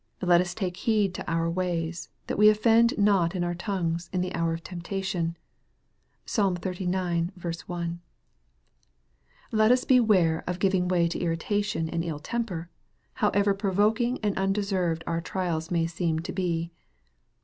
Let us take heed to our ways, that we offend not in our tongues, in the hour of temptation. (Psal. xxxix. 1.) Let us beware of giving way to irritation and ill temper, however provoking and undeserved our trials may seem to be.